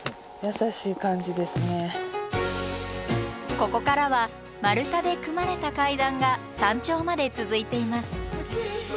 ここからは丸太で組まれた階段が山頂まで続いています。